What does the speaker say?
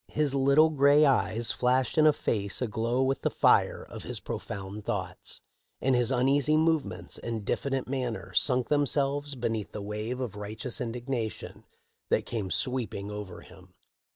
"* His little gray eyes flashed in a face aglow with the fire of his profound thoughts ; and his uneasy movements and diffident manner sunk themselves beneath the wave of righteous indignation that came sweeping over him.